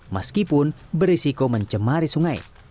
meskipun berisiko mencemari sungai